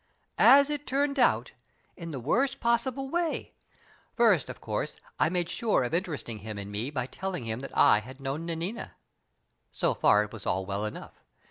"As it turned out, in the worst possible way. First, of course, I made sure of interesting him in me by telling him that I had known Nanina. So far it was all well enough.